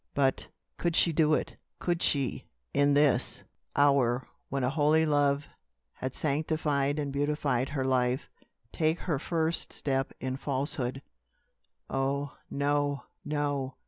But, could she do it? Could she, in this hour, when a holy love had sanctified and beautified her life, take her first step in falsehood? Oh, no! no!